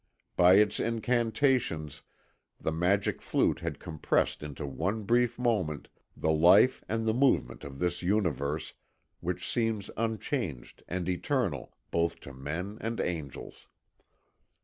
By its incantations the magic flute had compressed into one brief moment the life and the movement of this universe which seems unchanging and eternal both to men and angels.